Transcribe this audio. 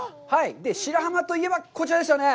白浜といえば、こちらですよね。